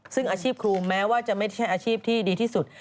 ซึ่งอาชีพครูแม้ว่าจะไม่ใช่อาชีพที่ดีที่สุด